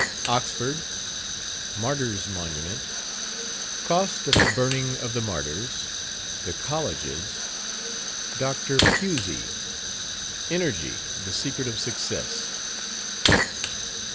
_Oxford Martyrs' Monument Cost of the Burning of the Martyrs The Colleges Dr. Pusey Energy, the Secret of Success.